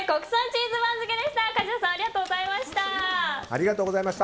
ありがとうございます。